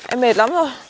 em mệt lắm rồi